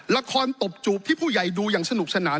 ตบจูบที่ผู้ใหญ่ดูอย่างสนุกสนาน